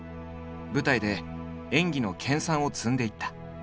舞台で演技の研鑽を積んでいった。